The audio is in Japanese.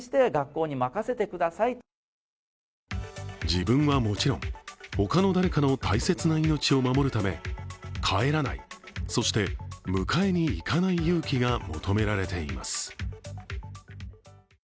自分はもちろん、他の誰かの大切な命を守るため、帰らない、そして迎えに行かない勇気が求められています。